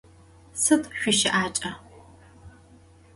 Sıd şsuişı'aç'a?